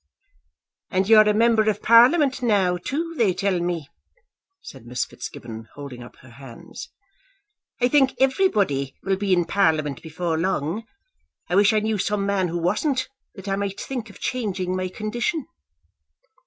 "And you're a member of Parliament now too, they tell me," said Miss Fitzgibbon, holding up her hands. "I think everybody will be in Parliament before long. I wish I knew some man who wasn't, that I might think of changing my condition."